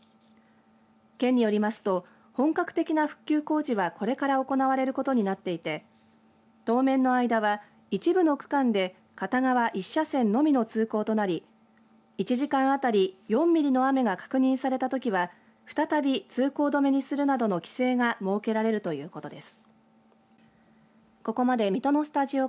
県によりますと本格的な復旧工事はこれから行われることになっていて当面の間は一部の区間で片側１車線のみの通行となり１時間当たり４ミリの雨が確認されたときは再び通行止めにするなどの規制が設けられるということです。